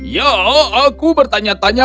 ya aku bertanya tanya